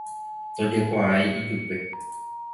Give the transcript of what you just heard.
ndojekuaái ijupe